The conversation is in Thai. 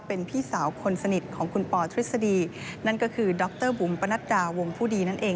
เพราะความรู้จักเราตั้งแต่ปีก่อน